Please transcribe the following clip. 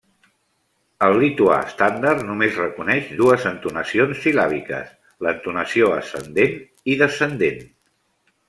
El lituà estàndard només reconeix dues entonacions sil·làbiques: l'entonació ascendent i descendent.